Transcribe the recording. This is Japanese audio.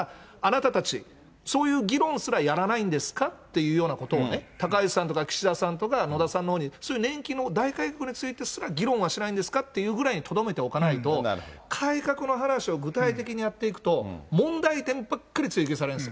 いうようなことをね、高市さんとか岸田さんとか野田さんのほうに、それ、年金の大改革についてすら、議論はしないんですかというぐらいに議論はとどめておかないと、改革の話を具体的にやっていくと、問題点ばっかり追及されるんです。